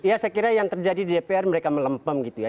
ya saya kira yang terjadi di dpr mereka melempem gitu ya